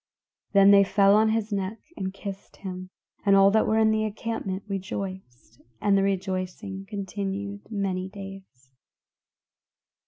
Then they fell on his neck and kissed him; and all that were in the encampment rejoiced, and the rejoicing continued many days.